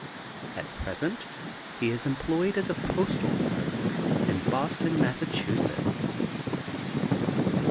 At present he is employed as a postal clerk in Boston, Mass.